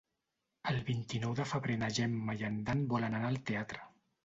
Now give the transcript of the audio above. El vint-i-nou de febrer na Gemma i en Dan volen anar al teatre.